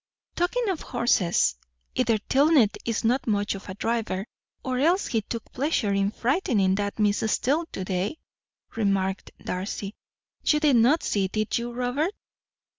"Talking of horses, either Tilney is not much of a driver, or else he took pleasure in frightening that Miss Steele to day," remarked Darcy. "You did not see, did you, Robert?